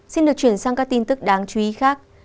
xin được chuyển sang các tin tức đáng chú ý khác